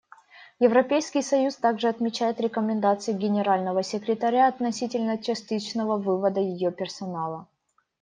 Европейский союз также отмечает рекомендации Генерального секретаря относительно частичного вывода ее персонала.